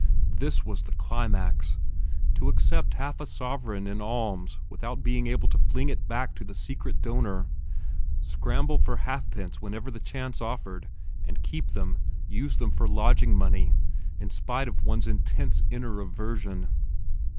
This was the climax! To accept half a sovereign in alms without being able to fling it back to the secret donor; scramble for half pence whenever the chance offered, and keep them, use them for lodging money, in spite of one's intense inner aversion....